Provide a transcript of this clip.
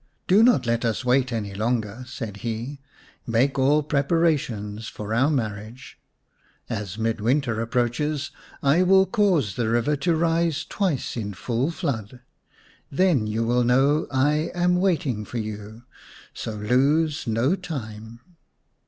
"Do not let us wait any longer," said he. "Make all preparations for our marriage. As mid winter approaches I will cause the river to rise twice in full flood. Then you will know I am waiting for you, so lose no time."